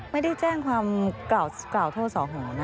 ไม่ได้แจ้งความกล่าวโทษสอหอนะ